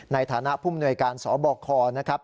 ในฐานะผู้มนวยการสบคนะครับ